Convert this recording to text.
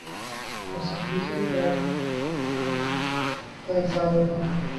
بےصبری سے ڈنر کا انتظار ہورہا تھا